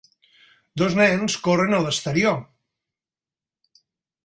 Dos nens corren a l'exterior.